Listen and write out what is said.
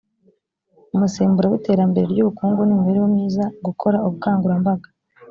umusemburo w iterambere ry ubukungu n imibereho myiza gukora ubukangurambaga